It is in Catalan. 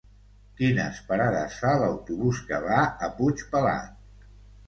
Quines parades fa l'autobús que va a Puigpelat?